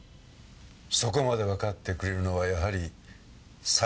そこまでわかってくれるのはやはり榊マリコだけだ。